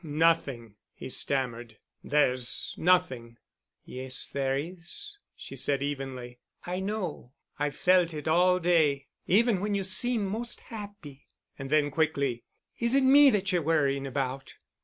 "Er—nothing," he stammered, "there's nothing." "Yes, there is," she said, evenly. "I know. I've felt it all day—even when you seemed most happy." And then quickly, "Is it me that you're worrying about?"